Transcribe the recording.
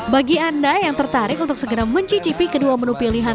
bagi anda yang tertarik untuk segera mencicipi kedua menu pilihan